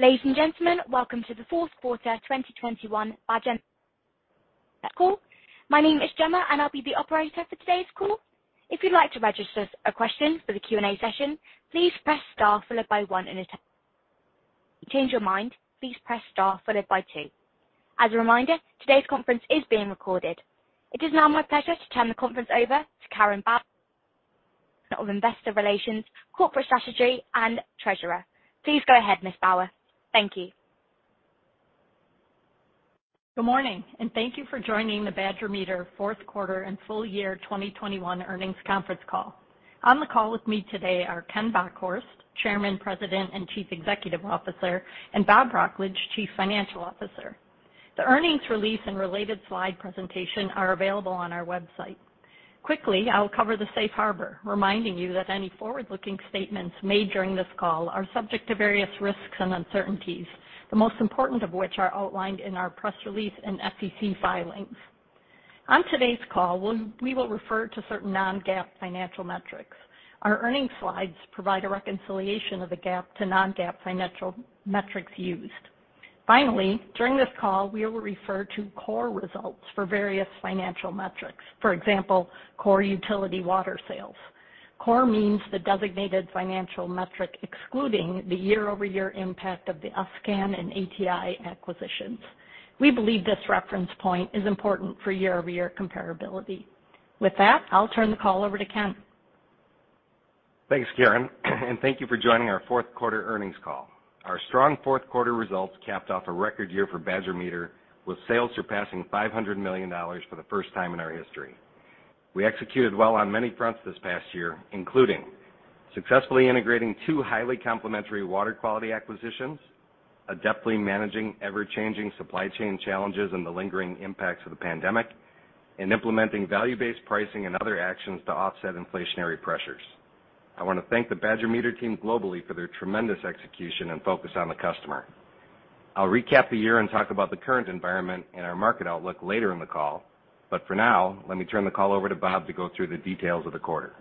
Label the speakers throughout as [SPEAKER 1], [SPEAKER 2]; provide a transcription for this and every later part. [SPEAKER 1] Ladies and gentlemen, welcome to the fourth quarter 2021 Badger Meter earnings call. My name is Gemma, and I'll be the operator for today's call. If you'd like to register a question for the Q&A session, please press star followed by one and then. If you change your mind, please press star followed by two. As a reminder, today's conference is being recorded. It is now my pleasure to turn the conference over to Karen Bauer, Vice President of Investor Relations, Corporate Strategy, and Treasurer. Please go ahead, Ms. Bauer. Thank you.
[SPEAKER 2] Good morning, and thank you for joining the Badger Meter fourth quarter and full year 2021 earnings conference call. On the call with me today are Ken Bockhorst, Chairman, President, and Chief Executive Officer, and Bob Wrocklage, Chief Financial Officer. The earnings release and related slide presentation are available on our website. Quickly, I'll cover the safe harbor, reminding you that any forward-looking statements made during this call are subject to various risks and uncertainties, the most important of which are outlined in our press release and SEC filings. On today's call, we will refer to certain non-GAAP financial metrics. Our earnings slides provide a reconciliation of the GAAP to non-GAAP financial metrics used. Finally, during this call, we will refer to core results for various financial metrics, for example, core utility water sales. Core means the designated financial metric excluding the year-over-year impact of the s::can and ATi acquisitions. We believe this reference point is important for year-over-year comparability. With that, I'll turn the call over to Ken.
[SPEAKER 3] Thanks, Karen, and thank you for joining our fourth quarter earnings call. Our strong fourth quarter results capped off a record year for Badger Meter, with sales surpassing $500 million for the first time in our history. We executed well on many fronts this past year, including successfully integrating two highly complementary water quality acquisitions, adeptly managing ever-changing supply chain challenges and the lingering impacts of the pandemic, and implementing value-based pricing and other actions to offset inflationary pressures. I wanna thank the Badger Meter team globally for their tremendous execution and focus on the customer. I'll recap the year and talk about the current environment and our market outlook later in the call. For now, let me turn the call over to Bob to go through the details of the quarter.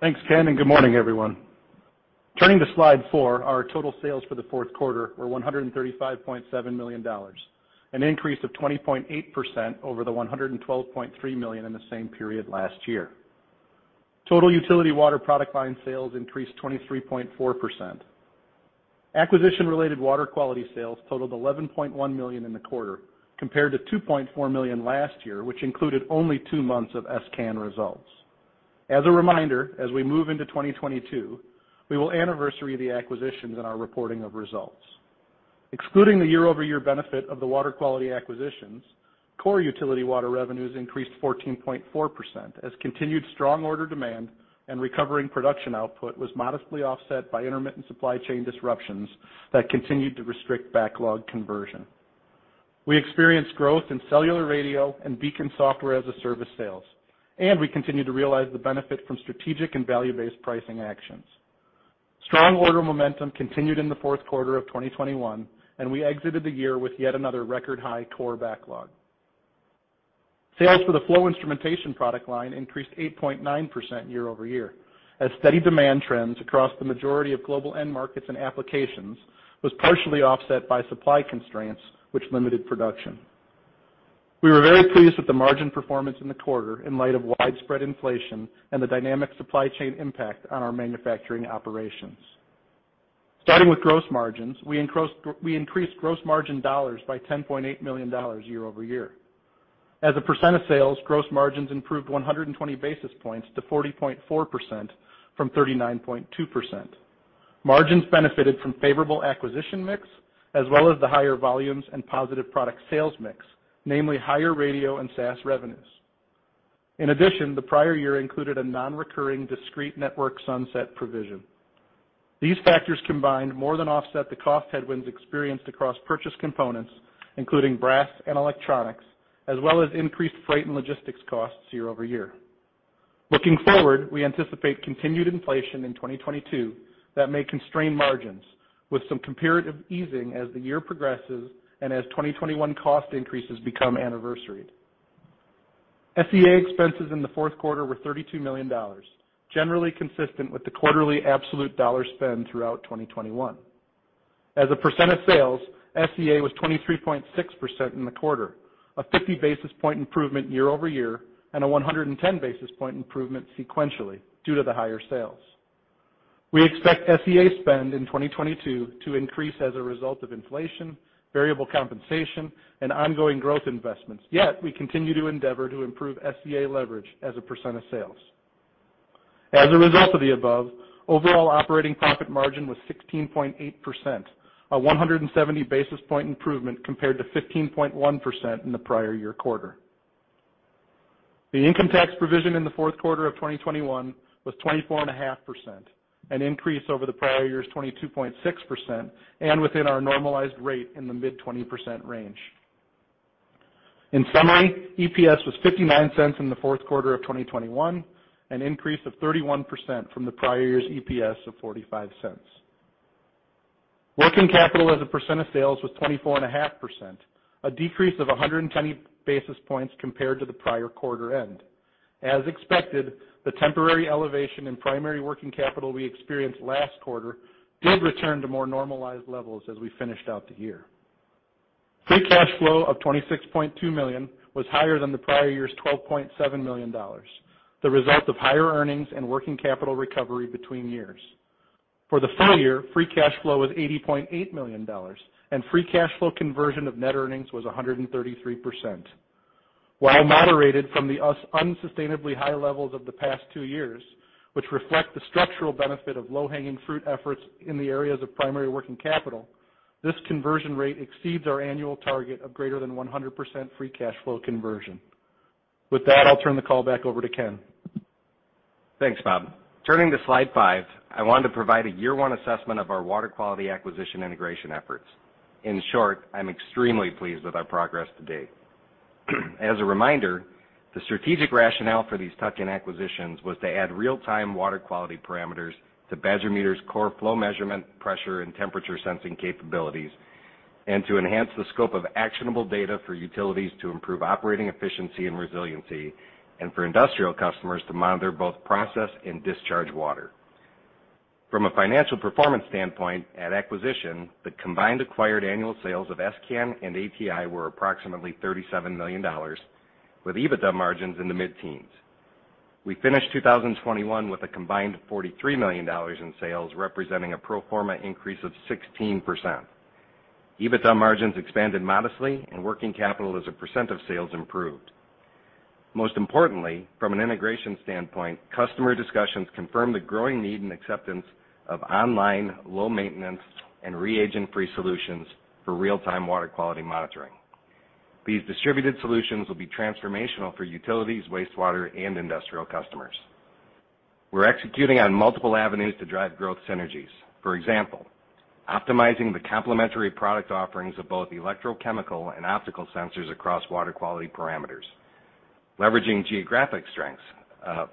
[SPEAKER 4] Thanks, Ken, and good morning, everyone. Turning to slide four, our total sales for the fourth quarter were $135.7 million, an increase of 20.8% over the $112.3 million in the same period last year. Total utility water product line sales increased 23.4%. Acquisition-related water quality sales totaled $11.1 million in the quarter, compared to $2.4 million last year, which included only two months of s::can results. As a reminder, as we move into 2022, we will anniversary the acquisitions in our reporting of results. Excluding the year-over-year benefit of the water quality acquisitions, core utility water revenues increased 14.4% as continued strong order demand and recovering production output was modestly offset by intermittent supply chain disruptions that continued to restrict backlog conversion. We experienced growth in cellular radio and BEACON software as a service sales, and we continued to realize the benefit from strategic and value-based pricing actions. Strong order momentum continued in the fourth quarter of 2021, and we exited the year with yet another record high core backlog. Sales for the flow instrumentation product line increased 8.9% year-over-year as steady demand trends across the majority of global end markets and applications was partially offset by supply constraints, which limited production. We were very pleased with the margin performance in the quarter in light of widespread inflation and the dynamic supply chain impact on our manufacturing operations. Starting with gross margins, we increased gross margin dollars by $10.8 million year-over-year. As a percent of sales, gross margins improved 120 basis points to 40.4% from 39.2%. Margins benefited from favorable acquisition mix as well as the higher volumes and positive product sales mix, namely higher radio and SaaS revenues. In addition, the prior year included a non-recurring discrete network sunset provision. These factors combined more than offset the cost headwinds experienced across purchase components, including brass and electronics, as well as increased freight and logistics costs year over year. Looking forward, we anticipate continued inflation in 2022 that may constrain margins with some comparative easing as the year progresses and as 2021 cost increases become anniversary. SEA expenses in the fourth quarter were $32 million, generally consistent with the quarterly absolute dollar spend throughout 2021. As a percent of sales, SEA was 23.6% in the quarter, a 50 basis point improvement year-over-year and a 110 basis point improvement sequentially due to the higher sales. We expect SEA spend in 2022 to increase as a result of inflation, variable compensation, and ongoing growth investments, yet we continue to endeavor to improve SEA leverage as a percent of sales. As a result of the above, overall operating profit margin was 16.8%, a 170 basis point improvement compared to 15.1% in the prior year quarter. The income tax provision in the fourth quarter of 2021 was 24.5%, an increase over the prior year's 22.6% and within our normalized rate in the mid-20% range. In summary, EPS was $0.59 in the fourth quarter of 2021, an increase of 31% from the prior year's EPS of $0.45. Working capital as a percent of sales was 24.5%, a decrease of 120 basis points compared to the prior quarter end. As expected, the temporary elevation in primary working capital we experienced last quarter did return to more normalized levels as we finished out the year. Free cash flow of $26.2 million was higher than the prior year's $12.7 million, the result of higher earnings and working capital recovery between years. For the full year, free cash flow was $80.8 million, and free cash flow conversion of net earnings was 133%. While moderated from the unsustainably high levels of the past two years, which reflect the structural benefit of low-hanging fruit efforts in the areas of primary working capital, this conversion rate exceeds our annual target of greater than 100% free cash flow conversion. With that, I'll turn the call back over to Ken.
[SPEAKER 3] Thanks, Bob. Turning to slide five, I want to provide a year-one assessment of our water quality acquisition integration efforts. In short, I'm extremely pleased with our progress to date. As a reminder, the strategic rationale for these tuck-in acquisitions was to add real-time water quality parameters to Badger Meter's core flow measurement, pressure, and temperature sensing capabilities, and to enhance the scope of actionable data for utilities to improve operating efficiency and resiliency, and for industrial customers to monitor both process and discharge water. From a financial performance standpoint, at acquisition, the combined acquired annual sales of s::can and ATi were approximately $37 million, with EBITDA margins in the mid-teens. We finished 2021 with a combined $43 million in sales, representing a pro forma increase of 16%. EBITDA margins expanded modestly and working capital as a % of sales improved. Most importantly, from an integration standpoint, customer discussions confirmed the growing need and acceptance of online, low-maintenance, and reagent-free solutions for real-time water quality monitoring. These distributed solutions will be transformational for utilities, wastewater, and industrial customers. We're executing on multiple avenues to drive growth synergies. For example, optimizing the complementary product offerings of both electrochemical and optical sensors across water quality parameters. Leveraging geographic strengths,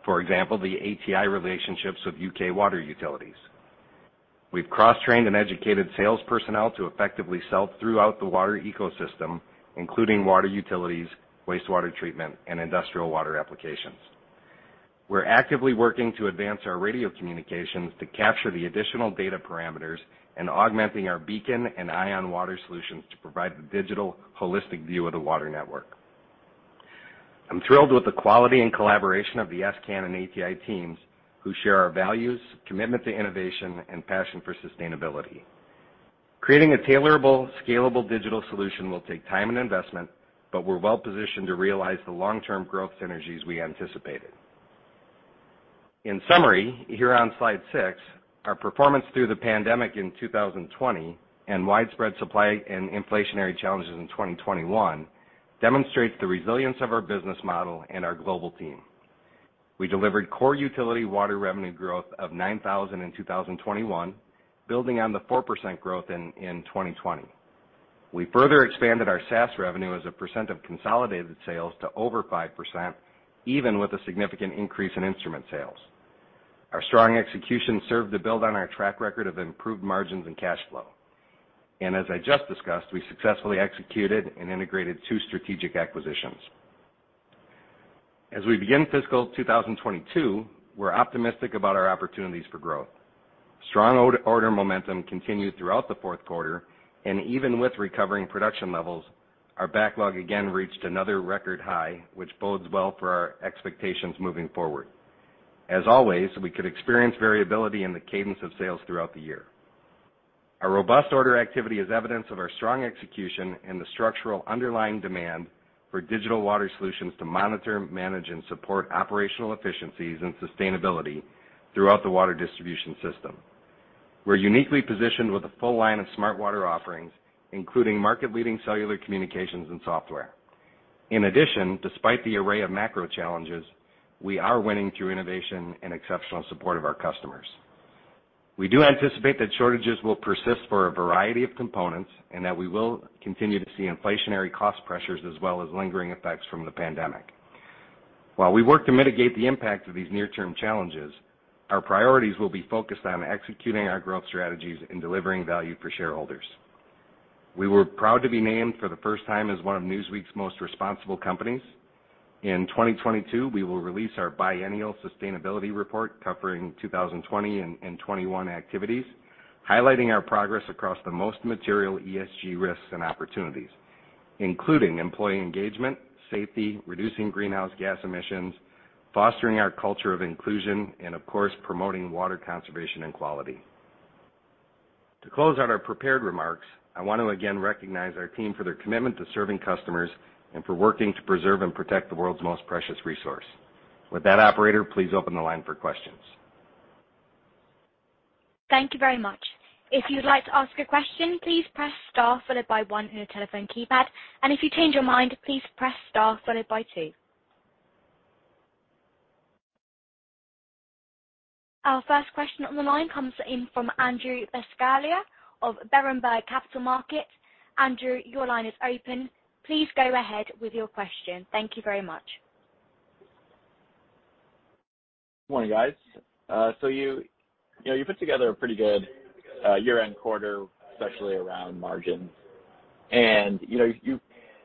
[SPEAKER 3] for example, the ATI relationships with U.K. water utilities. We've cross-trained and educated sales personnel to effectively sell throughout the water ecosystem, including water utilities, wastewater treatment, and industrial water applications. We're actively working to advance our radio communications to capture the additional data parameters and augmenting our BEACON and EyeOnWater solutions to provide the digital holistic view of the water network. I'm thrilled with the quality and collaboration of the s::can and ATi teams, who share our values, commitment to innovation, and passion for sustainability. Creating a tailorable, scalable digital solution will take time and investment, but we're well-positioned to realize the long-term growth synergies we anticipated. In summary, here on slide 6, our performance through the pandemic in 2020 and widespread supply and inflationary challenges in 2021 demonstrates the resilience of our business model and our global team. We delivered core utility water revenue growth of 9% in 2021, building on the 4% growth in 2020. We further expanded our SaaS revenue as a percent of consolidated sales to over 5%, even with a significant increase in instrument sales. Our strong execution served to build on our track record of improved margins and cash flow. As I just discussed, we successfully executed and integrated two strategic acquisitions. As we begin fiscal 2022, we're optimistic about our opportunities for growth. Strong order momentum continued throughout the fourth quarter, and even with recovering production levels, our backlog again reached another record high, which bodes well for our expectations moving forward. As always, we could experience variability in the cadence of sales throughout the year. Our robust order activity is evidence of our strong execution and the structural underlying demand for digital water solutions to monitor, manage, and support operational efficiencies and sustainability throughout the water distribution system. We're uniquely positioned with a full line of smart water offerings, including market-leading cellular communications and software. In addition, despite the array of macro challenges, we are winning through innovation and exceptional support of our customers. We do anticipate that shortages will persist for a variety of components, and that we will continue to see inflationary cost pressures as well as lingering effects from the pandemic. While we work to mitigate the impact of these near-term challenges, our priorities will be focused on executing our growth strategies and delivering value for shareholders. We were proud to be named for the first time as one of Newsweek's Most Responsible Companies. In 2022, we will release our biennial sustainability report covering 2020 and 2021 activities, highlighting our progress across the most material ESG risks and opportunities, including employee engagement, safety, reducing greenhouse gas emissions, fostering our culture of inclusion, and of course, promoting water conservation and quality. To close out our prepared remarks, I want to again recognize our team for their commitment to serving customers and for working to preserve and protect the world's most precious resource. With that, operator, please open the line for questions.
[SPEAKER 1] Thank you very much. Our first question on the line comes in from Andrew Buscaglia of Berenberg Capital Markets. Andrew, your line is open. Please go ahead with your question. Thank you very much.
[SPEAKER 5] Good morning, guys. You know, you put together a pretty good year-end quarter, especially around margins. You know,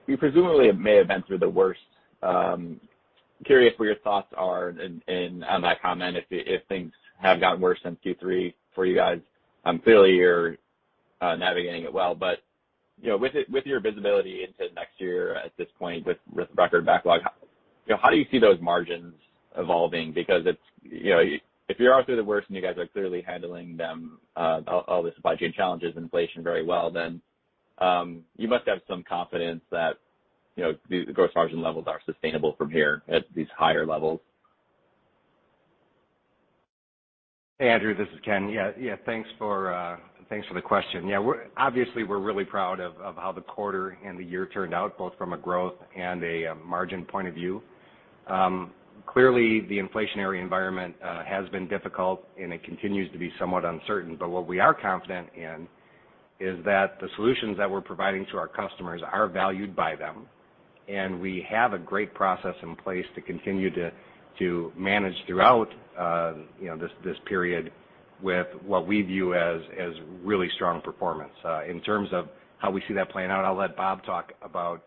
[SPEAKER 5] you presumably may have been through the worst. Curious what your thoughts are and on that comment if things have gotten worse since Q3 for you guys. Clearly you're navigating it well, but you know, with your visibility into next year at this point with record backlog, you know, how do you see those margins evolving? Because it's you know, if you're already through the worst and you guys are clearly handling them all the supply chain challenges and inflation very well, then you must have some confidence that you know, the gross margin levels are sustainable from here at these higher levels.
[SPEAKER 3] Hey, Andrew, this is Ken. Yeah, thanks for the question. Yeah, we're obviously really proud of how the quarter and the year turned out, both from a growth and a margin point of view. Clearly the inflationary environment has been difficult, and it continues to be somewhat uncertain. What we are confident in is that the solutions that we're providing to our customers are valued by them, and we have a great process in place to continue to manage throughout you know this period with what we view as really strong performance. In terms of how we see that playing out, I'll let Bob talk about,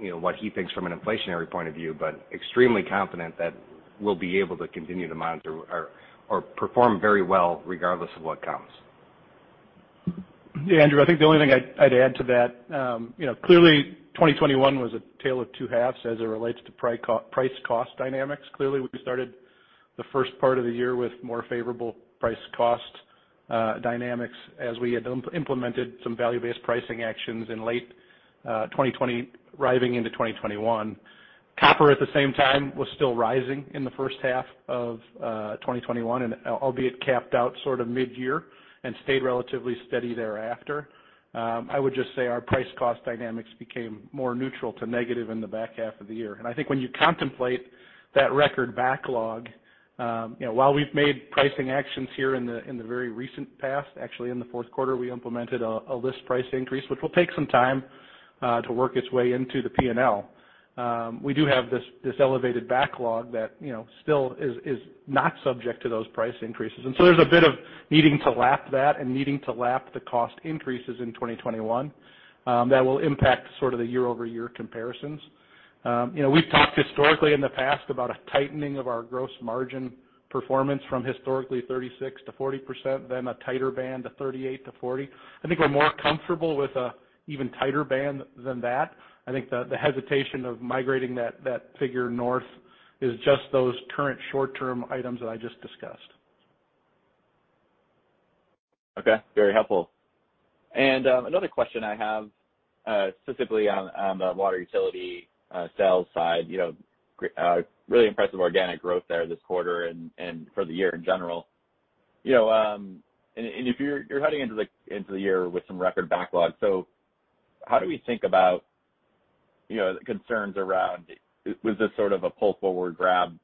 [SPEAKER 3] you know, what he thinks from an inflationary point of view, but extremely confident that we'll be able to continue to monitor or perform very well regardless of what comes.
[SPEAKER 4] Yeah, Andrew, I think the only thing I'd add to that, you know, clearly 2021 was a tale of two halves as it relates to price cost dynamics. Clearly, we started the first part of the year with more favorable price cost dynamics as we had implemented some value-based pricing actions in late 2020 arriving into 2021. Copper at the same time was still rising in the first half of 2021 and albeit capped out sort of midyear and stayed relatively steady thereafter. I would just say our price cost dynamics became more neutral to negative in the back half of the year. I think when you contemplate that record backlog, you know, while we've made pricing actions here in the very recent past, actually in the fourth quarter we implemented a list price increase, which will take some time to work its way into the P&L. We do have this elevated backlog that, you know, still is not subject to those price increases. There's a bit of needing to lap that and the cost increases in 2021 that will impact sort of the year-over-year comparisons. You know, we've talked historically in the past about a tightening of our gross margin performance from historically 36%-40%, then a tighter band to 38%-40%. I think we're more comfortable with a even tighter band than that. I think the hesitation of migrating that figure north is just those current short-term items that I just discussed.
[SPEAKER 5] Okay, very helpful. Another question I have, specifically on the water utility sales side, you know, really impressive organic growth there this quarter and for the year in general. You know, if you're heading into the year with some record backlog. How do we think about, you know, concerns around, was this sort of a pull forward grab?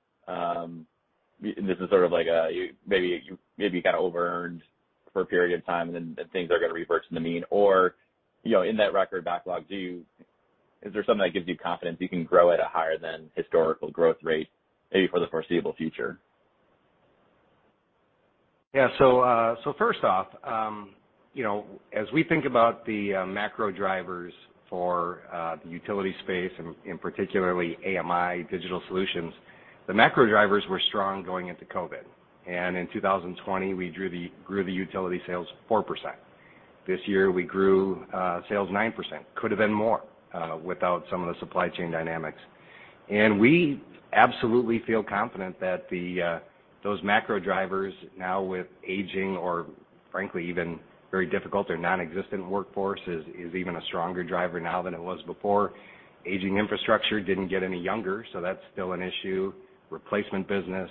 [SPEAKER 5] This is sort of like, you maybe kind of overearned for a period of time and then things are gonna revert to the mean. You know, in that record backlog, is there something that gives you confidence you can grow at a higher than historical growth rate maybe for the foreseeable future?
[SPEAKER 3] Yeah. First off, you know, as we think about the macro drivers for the utility space and particularly AMI digital solutions, the macro drivers were strong going into COVID. In 2020 we grew the utility sales 4%. This year we grew sales 9%. Could have been more without some of the supply chain dynamics. We absolutely feel confident that those macro drivers now with aging or frankly even very difficult or nonexistent workforce is even a stronger driver now than it was before. Aging infrastructure didn't get any younger, so that's still an issue, replacement business.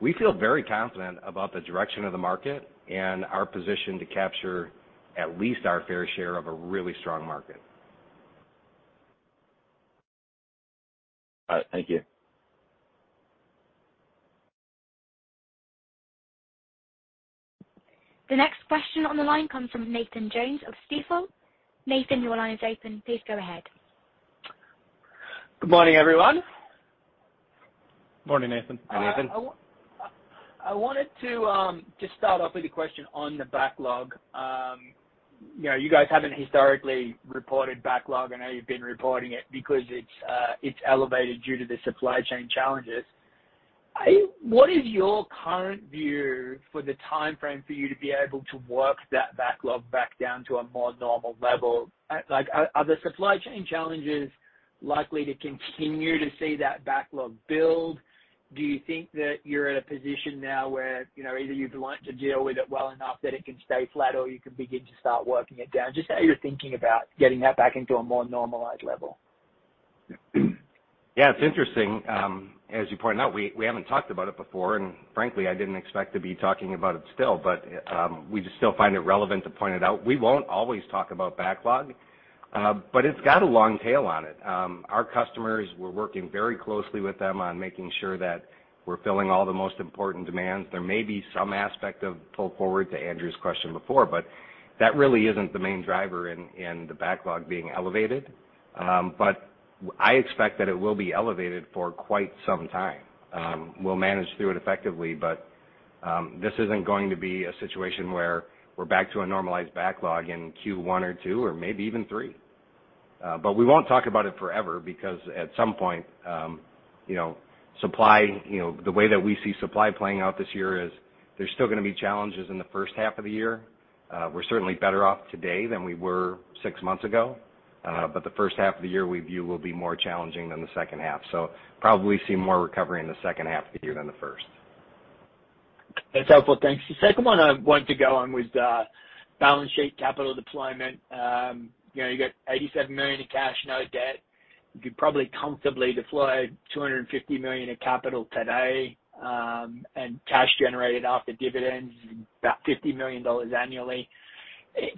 [SPEAKER 3] We feel very confident about the direction of the market and our position to capture at least our fair share of a really strong market.
[SPEAKER 5] All right. Thank you.
[SPEAKER 1] The next question on the line comes from Nathan Jones of Stifel. Nathan, your line is open. Please go ahead.
[SPEAKER 6] Good morning, everyone.
[SPEAKER 4] Morning, Nathan.
[SPEAKER 3] Hi, Nathan.
[SPEAKER 6] I wanted to just start off with a question on the backlog. You know, you guys haven't historically reported backlog. I know you've been reporting it because it's elevated due to the supply chain challenges. What is your current view for the timeframe for you to be able to work that backlog back down to a more normal level? Like, are the supply chain challenges likely to continue to see that backlog build? Do you think that you're at a position now where, you know, either you've learned to deal with it well enough that it can stay flat or you can begin to start working it down? Just how you're thinking about getting that back into a more normalized level.
[SPEAKER 3] Yeah, it's interesting. As you pointed out, we haven't talked about it before. Frankly, I didn't expect to be talking about it still, but we just still find it relevant to point it out. We won't always talk about backlog, but it's got a long tail on it. Our customers, we're working very closely with them on making sure that we're filling all the most important demands. There may be some aspect of pull forward to Andrew's question before, but that really isn't the main driver in the backlog being elevated. But I expect that it will be elevated for quite some time. We'll manage through it effectively, but this isn't going to be a situation where we're back to a normalized backlog in Q1 or Q2 or maybe even Q3. We won't talk about it forever because at some point, you know, supply, you know, the way that we see supply playing out this year is there's still gonna be challenges in the first half of the year. We're certainly better off today than we were six months ago. The first half of the year we view will be more challenging than the second half. Probably see more recovery in the second half of the year than the first.
[SPEAKER 6] That's helpful. Thanks. The second one I want to go on was balance sheet capital deployment. You know, you got $87 million in cash, no debt. You could probably comfortably deploy $250 million in capital today, and cash generated after dividends, about $50 million annually.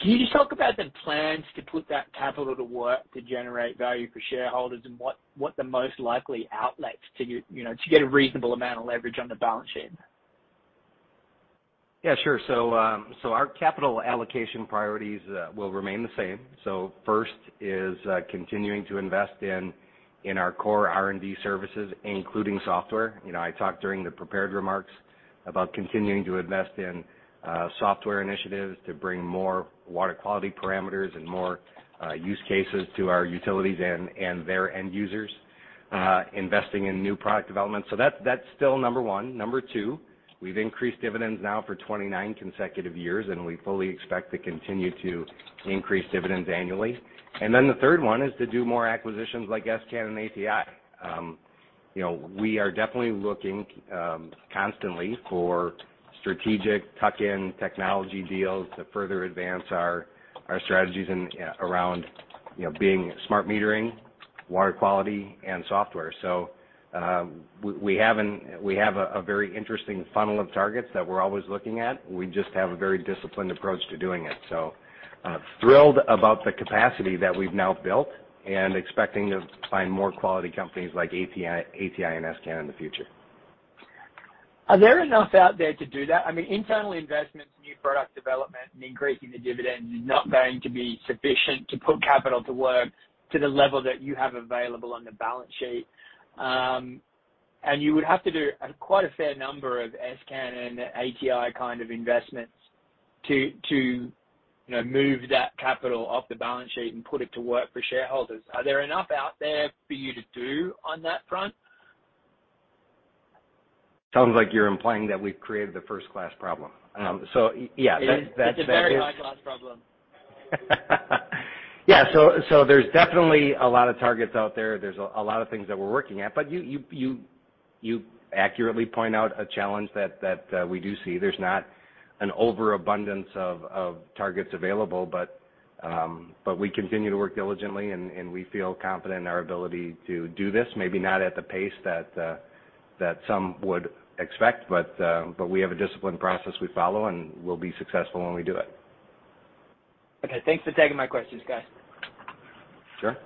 [SPEAKER 6] Can you just talk about the plans to put that capital to work to generate value for shareholders and what the most likely outlets you know to get a reasonable amount of leverage on the balance sheet?
[SPEAKER 3] Yeah, sure. Our capital allocation priorities will remain the same. First is continuing to invest in our core R&D services, including software. You know, I talked during the prepared remarks about continuing to invest in software initiatives to bring more water quality parameters and more use cases to our utilities and their end users, investing in new product development. That's still number one. Number two, we've increased dividends now for 29 consecutive years, and we fully expect to continue to increase dividends annually. The third one is to do more acquisitions like s::can and ATI. You know, we are definitely looking constantly for strategic tuck-in technology deals to further advance our strategies in and around, you know, being smart metering, water quality and software. We have a very interesting funnel of targets that we're always looking at. We just have a very disciplined approach to doing it. We're thrilled about the capacity that we've now built and expecting to find more quality companies like ATi and s::can in the future.
[SPEAKER 6] Are there enough out there to do that? I mean, internal investments, new product development, and increasing the dividends is not going to be sufficient to put capital to work to the level that you have available on the balance sheet. You would have to do quite a fair number of s::can and ATi kind of investments to, you know, move that capital off the balance sheet and put it to work for shareholders. Are there enough out there for you to do on that front?
[SPEAKER 3] Sounds like you're implying that we've created the first-class problem. Yes, that is-
[SPEAKER 6] It is. It's a very high-class problem.
[SPEAKER 3] Yeah. There's definitely a lot of targets out there. There's a lot of things that we're working at. You accurately point out a challenge that we do see. There's not an overabundance of targets available, but we continue to work diligently and we feel confident in our ability to do this, maybe not at the pace that some would expect, but we have a disciplined process we follow, and we'll be successful when we do it.
[SPEAKER 6] Okay. Thanks for taking my questions, guys.
[SPEAKER 3] Sure.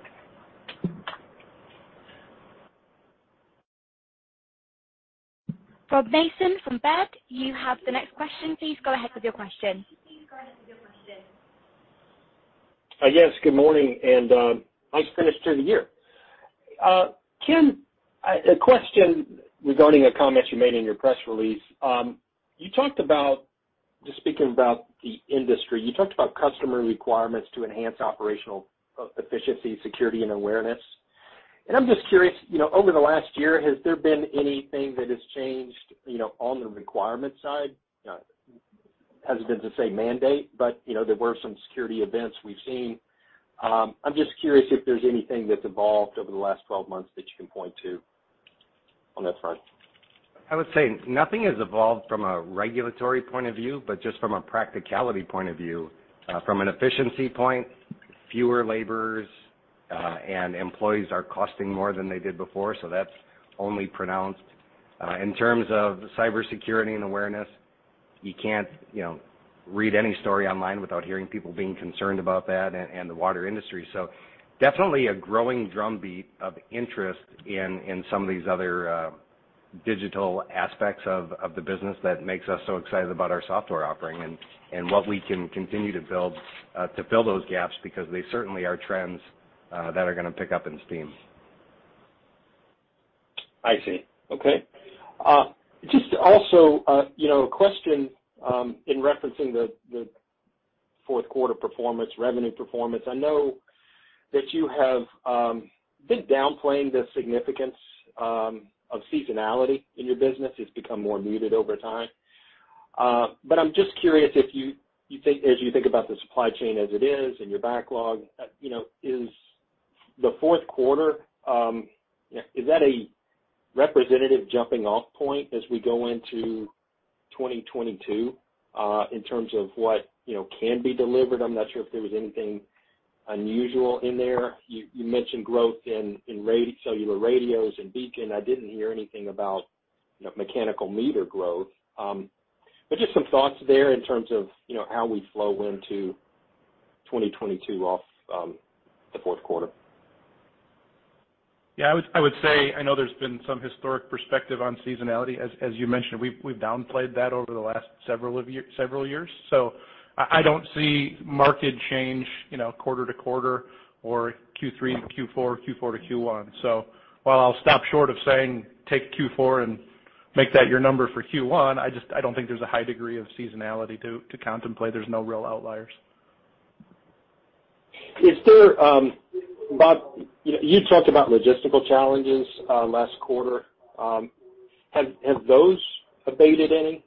[SPEAKER 1] Rob Mason from Baird, you have the next question. Please go ahead with your question.
[SPEAKER 7] Yes, good morning, and nice finish to the year. Ken, a question regarding a comment you made in your press release. You talked about, just speaking about the industry, you talked about customer requirements to enhance operational efficiency, security, and awareness. I'm just curious, you know, over the last year, has there been anything that has changed, you know, on the requirement side? Hesitant to say mandate, but you know, there were some security events we've seen. I'm just curious if there's anything that's evolved over the last 12 months that you can point to on that front.
[SPEAKER 3] I would say nothing has evolved from a regulatory point of view, but just from a practicality point of view, from an efficiency point, fewer laborers and employees are costing more than they did before, so that's only pronounced. In terms of cybersecurity and awareness, you can't, you know, read any story online without hearing people being concerned about that and the water industry. Definitely a growing drumbeat of interest in some of these other digital aspects of the business that makes us so excited about our software offering and what we can continue to build to fill those gaps, because they certainly are trends that are gonna pick up in steam.
[SPEAKER 7] I see. Okay. Just also, you know, a question in referencing the fourth quarter performance, revenue performance. I know that you have been downplaying the significance of seasonality in your business. It's become more muted over time. I'm just curious if you think about the supply chain as it is and your backlog, you know, is the fourth quarter a representative jumping off point as we go into 2022, in terms of what, you know, can be delivered? I'm not sure if there was anything unusual in there. You mentioned growth in cellular radios and Beacon. I didn't hear anything about, you know, mechanical meter growth. Just some thoughts there in terms of, you know, how we flow into 2022 off the fourth quarter.
[SPEAKER 3] Yeah, I would say I know there's been some historic perspective on seasonality. As you mentioned, we've downplayed that over the last several years. I don't see market change, you know, quarter to quarter or Q3 to Q4 to Q1. While I'll stop short of saying take Q4 and make that your number for Q1, I don't think there's a high degree of seasonality to contemplate. There's no real outliers.
[SPEAKER 7] Is there, Bob, you talked about logistical challenges last quarter? Have those abated any?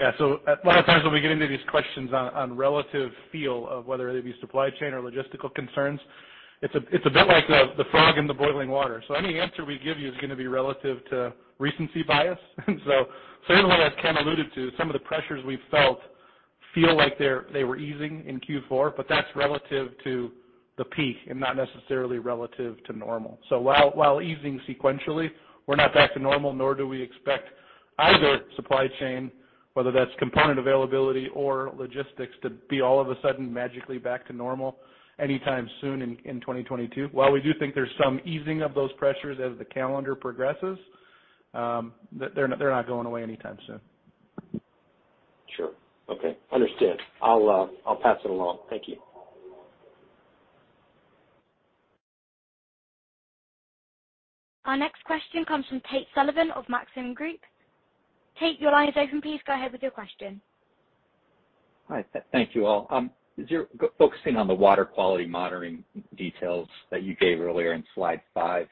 [SPEAKER 4] Yeah. A lot of times when we get into these questions on relative feel of whether they be supply chain or logistical concerns, it's a bit like the frog in the boiling water. Any answer we give you is gonna be relative to recency bias. Certainly, as Ken alluded to, some of the pressures we felt feel like they were easing in Q4, but that's relative to the peak and not necessarily relative to normal. While easing sequentially, we're not back to normal, nor do we expect either supply chain, whether that's component availability or logistics, to be all of a sudden magically back to normal anytime soon in 2022. While we do think there's some easing of those pressures as the calendar progresses, they're not going away anytime soon.
[SPEAKER 7] Sure. Okay. Understood. I'll pass it along. Thank you.
[SPEAKER 1] Our next question comes from Tate Sullivan of Maxim Group. Tate, your line is open. Please go ahead with your question.
[SPEAKER 8] Hi. Thank you all. As you're focusing on the water quality monitoring details that you gave earlier in slide five,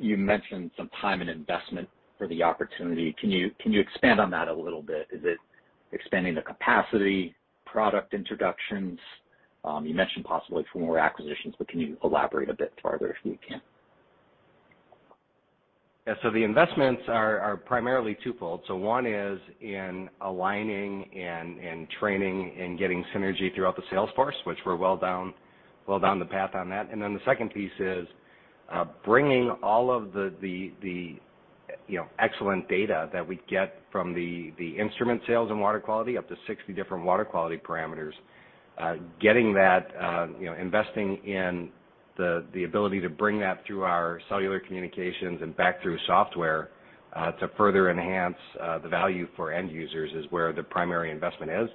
[SPEAKER 8] you mentioned some time and investment for the opportunity. Can you expand on that a little bit? Is it expanding the capacity, product introductions? You mentioned possibility for more acquisitions, but can you elaborate a bit further if you can?
[SPEAKER 3] The investments are primarily twofold. One is in aligning and training and getting synergy throughout the sales force, which we're well down the path on that. The second piece is bringing all of the excellent data that we get from the instrument sales and water quality, up to 60 different water quality parameters. Getting that, you know, investing in the ability to bring that through our cellular communications and back through software to further enhance the value for end users is where the primary investment is.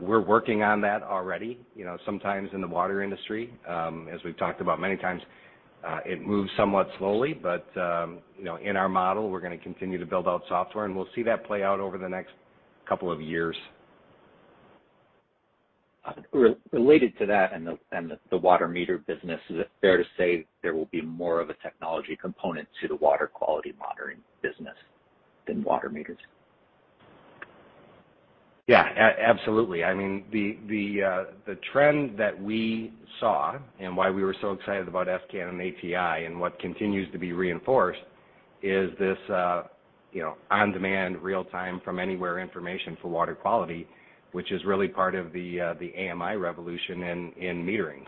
[SPEAKER 3] We're working on that already. You know, sometimes in the water industry, as we've talked about many times, it moves somewhat slowly. You know, in our model, we're gonna continue to build out software, and we'll see that play out over the next couple of years.
[SPEAKER 8] Related to that and the water meter business, is it fair to say there will be more of a technology component to the water quality monitoring business than water meters?
[SPEAKER 3] Yeah. Absolutely. I mean, the trend that we saw and why we were so excited about s::can and ATi and what continues to be reinforced is this, you know, on-demand, real-time, from anywhere information for water quality, which is really part of the AMI revolution in metering.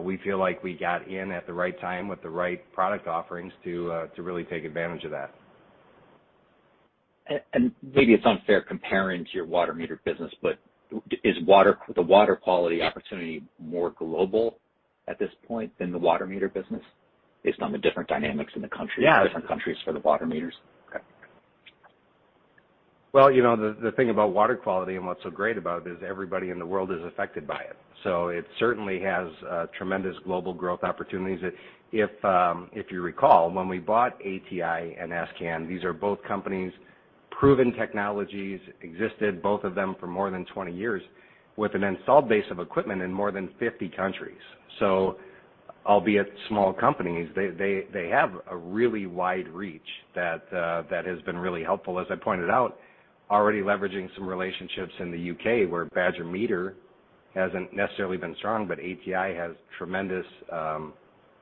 [SPEAKER 3] We feel like we got in at the right time with the right product offerings to really take advantage of that.
[SPEAKER 8] Maybe it's unfair comparing to your water meter business, but is the water quality opportunity more global at this point than the water meter business based on the different dynamics in the country?
[SPEAKER 3] Yeah.
[SPEAKER 8] in different countries for the water meters? Okay.
[SPEAKER 3] You know, the thing about water quality and what's so great about it is everybody in the world is affected by it. It certainly has tremendous global growth opportunities. If you recall, when we bought ATi and s::can, these are both companies, proven technologies, existed both of them for more than 20 years with an installed base of equipment in more than 50 countries. Albeit small companies, they have a really wide reach that has been really helpful, as I pointed out, already leveraging some relationships in the U.K. where Badger Meter hasn't necessarily been strong, but ATi has tremendous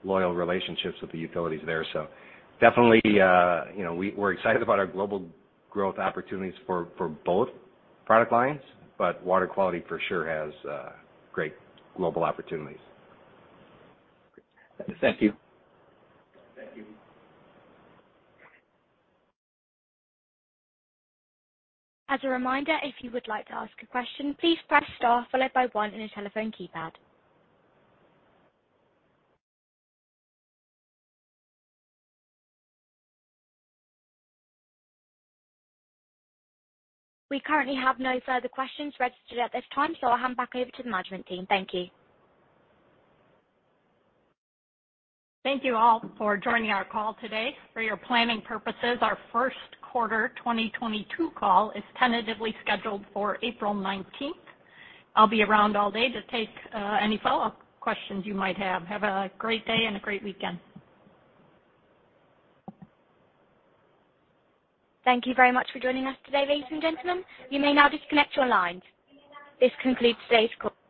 [SPEAKER 3] loyal relationships with the utilities there. Definitely, you know, we're excited about our global growth opportunities for both product lines, but water quality for sure has great global opportunities.
[SPEAKER 8] Thank you.
[SPEAKER 3] Thank you.
[SPEAKER 1] As a reminder, if you would like to ask a question, please press star followed by one on your telephone keypad. We currently have no further questions registered at this time, so I'll hand back over to the management team. Thank you.
[SPEAKER 2] Thank you all for joining our call today. For your planning purposes, our first quarter 2022 call is tentatively scheduled for April 19. I'll be around all day to take any follow-up questions you might have. Have a great day and a great weekend.
[SPEAKER 1] Thank you very much for joining us today, ladies and gentlemen. You may now disconnect your lines. This concludes today's call.